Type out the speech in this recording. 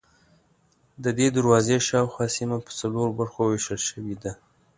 ددې دروازې شاوخوا سیمه په څلورو برخو وېشل شوې ده.